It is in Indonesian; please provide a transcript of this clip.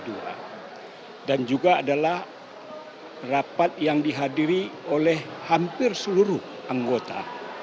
dan juga adalah rapat yang dihadiri oleh hampir seluruh anggota